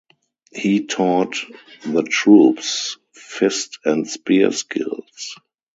He taught the troops fist and spear skills.